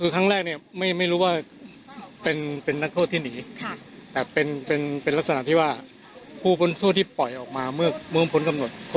มันแปลกแปลกก็คือรีบไงรีบเดิน